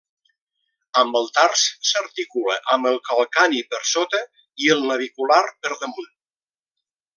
En el tars, s'articula amb el calcani per sota i el navicular per damunt.